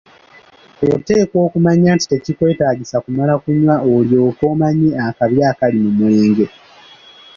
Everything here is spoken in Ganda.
Oteekwa okumanya nti tekikwetaagisa kumala kunywa olyoke omanye akabi akali mu mwenge.